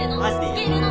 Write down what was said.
着けるの！